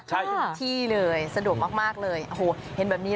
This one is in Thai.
ใช่ถึงที่เลยสะดวกมากมากเลยโอ้โหเห็นแบบนี้